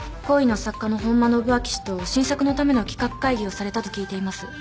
懇意の作家の本間信明氏と新作のための企画会議をされたと聞いています。